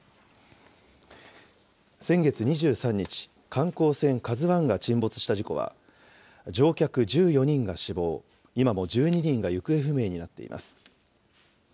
先月２３日、観光船、ＫＡＺＵＩが沈没した事故は、乗客１４人が死亡、今も１２人が行方不明になっています。